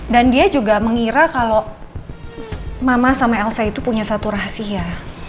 dan dia juga mengira kalau mama sama elsa itu punya satu rahasia